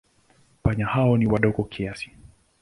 Panya hao ni wadogo kiasi.